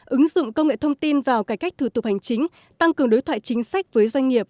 ứng dụng công nghệ thông tin vào cải cách thủ tục hành chính tăng cường đối thoại chính sách với doanh nghiệp